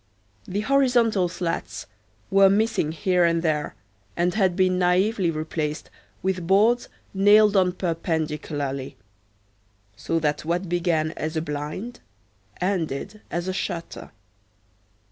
The horizontal slats were missing here and there and had been naïvely replaced with boards nailed on perpendicularly; so that what began as a blind ended as a shutter.